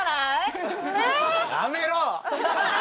やめろ！